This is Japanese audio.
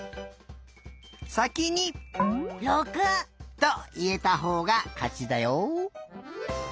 さきに。といえたほうがかちだよ。